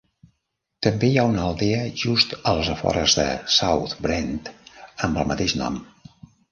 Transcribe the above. També hi ha una aldea just als afores de South Brent amb el mateix nom.